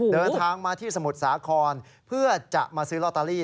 เดินทางมาที่สมุทรสาครเพื่อจะมาซื้อลอตเตอรี่